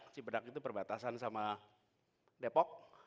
cibedak itu perbatasan sama depok